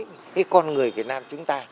cái con người việt nam chúng ta